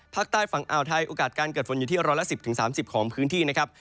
ภาคใต้ฝั่งอ่าวไทยโอกาสการเกิดฝนอยู่ที่ร้อยละ๑๐๓๐ของพื้นที่นะครับ